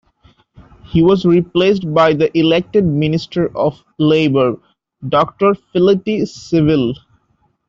He was replaced by the elected Minister of Labour, Doctor Feleti Sevele.